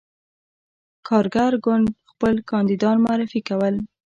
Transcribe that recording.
کارګر ګوند خپل کاندیدان معرفي کړل.